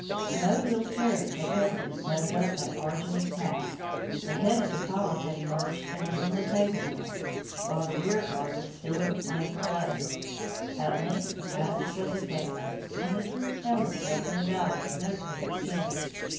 No wheeled carriage had ever been tugged up that arduous path. The head of the column had emerged and was on the table land, while the rearguard was still in the plain below. At length the passage was effected; and the troops found themselves in a valley of no great extent.